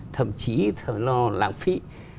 thậm chí nó lãng phí